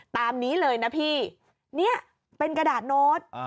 ตามนี้เลยนะพี่เนี่ยเป็นกระดาษโน้ต